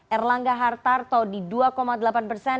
erlangga hartarto di dua delapan persen